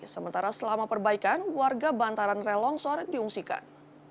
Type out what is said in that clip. sementara selama perbaikan warga bantaran rel longsor diungsikan